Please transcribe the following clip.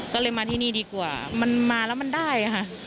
ก็เลยมาที่นี่ดีกว่ามันมาแล้วมันได้ค่ะ